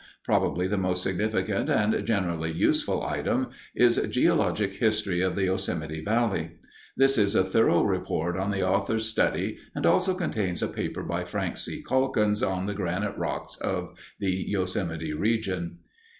Probably the most significant and generally useful item is Geologic History of the Yosemite Valley. This is a thorough report on the author's study and also contains a paper by Frank C. Calkins on the granitic rocks of the Yosemite region.